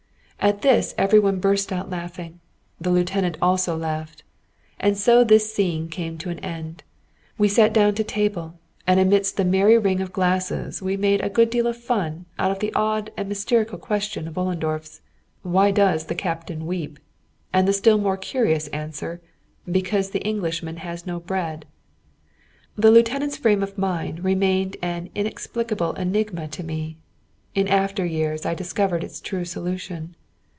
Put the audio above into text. At this every one burst out laughing. The lieutenant also laughed. And so this scene came to an end. We sat down to table, and amidst the merry ring of glasses we made a good deal of fun out of the odd and mystical question of Ollendorf's, "Why does the Captain weep?" and the still more curious answer, "Because the Englishman has no bread." The lieutenant's frame of mind remained an inexplicable enigma to me. In after years I discovered its true solution.